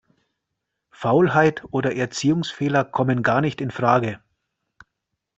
Faulheit oder Erziehungsfehler kommen gar nicht infrage.